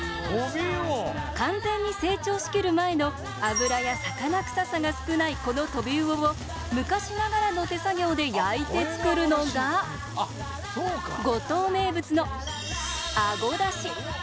完全に成長しきる前の脂や魚臭さが少ないこのトビウオを昔ながらの手作業で焼いて作るのが五島名物の、あごだし。